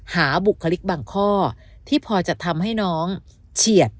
บุคลิกบางข้อที่พอจะทำให้น้องเฉียด